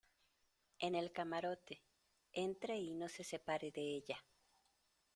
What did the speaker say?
en el camarote. entre y no se separe de ella .